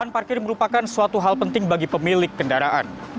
lahan parkir merupakan suatu hal penting bagi pemilik kendaraan